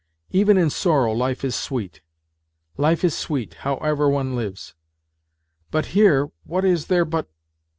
Even in sorrow life is sweet; life is sweet, however one lives. But here what is there but